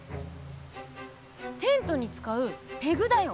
テントに使うペグだよ。